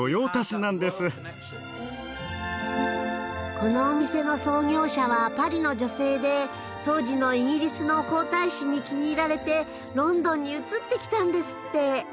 このお店の創業者はパリの女性で当時のイギリスの皇太子に気に入られてロンドンに移ってきたんですって。